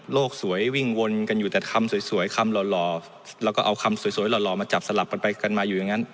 สวยวิ่งวนกันอยู่แต่คำสวยคำหล่อแล้วก็เอาคำสวยหล่อมาจับสลับกันไปกันมาอยู่อย่างนั้น